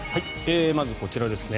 まずこちらですね。